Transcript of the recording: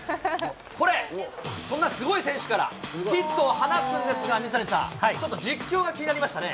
これ、そんなすごい選手からヒットを放つんですが、水谷さん、ちょっと実況が気になりましたね。